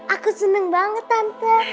aku seneng banget tante